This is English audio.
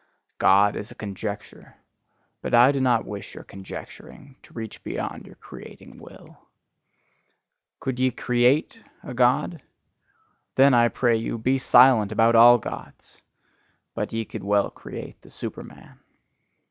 God is a conjecture: but I do not wish your conjecturing to reach beyond your creating will. Could ye CREATE a God? Then, I pray you, be silent about all Gods! But ye could well create the Superman.